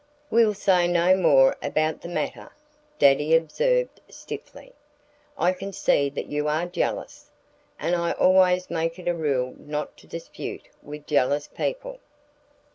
"We'll say no more about the matter," Daddy observed stiffly. "I can see that you are jealous. And I always make it a rule not to dispute with jealous people."